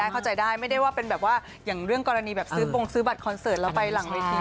เข้าใจได้ไม่ได้ว่าเป็นแบบว่าอย่างเรื่องกรณีแบบซื้อปงซื้อบัตรคอนเสิร์ตแล้วไปหลังเวที